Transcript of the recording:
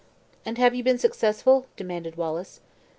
"And have you been successful?" demanded Wallace.